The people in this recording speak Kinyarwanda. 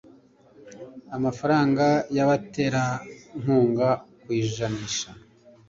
amafaranga y abaterankunga ku ijanisha